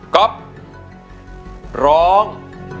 ก๊อฟร้อง